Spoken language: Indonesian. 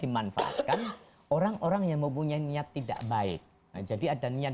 dimanfaatkan orang orang yang mempunyai niat tidak baik jadi ada niat